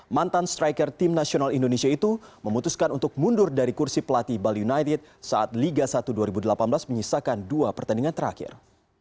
mantan striker tim nasional indonesia itu memutuskan untuk mundur dari kursi pelatih bali united saat liga satu dua ribu delapan belas menyisakan dua pertandingan terakhir